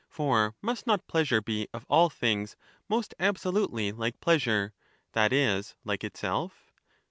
For must not pleasure be of all things most abso springing lutely like pleasure, — that is, like itself?